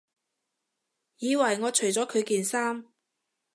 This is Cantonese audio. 以為我除咗佢件衫